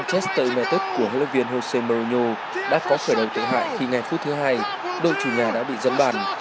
tựa united của hợp viên jose mourinho đã có khởi đầu tự hại khi ngày phút thứ hai đội chủ nhà đã bị dâng bàn